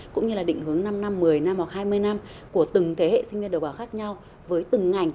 cũng như là định hướng năm năm một mươi năm hoặc hai mươi năm của từng thế hệ sinh viên đầu vào khác nhau với từng ngành